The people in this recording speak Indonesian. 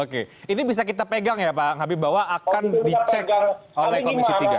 oke ini bisa kita pegang ya pak habib bahwa akan dicek oleh komisi tiga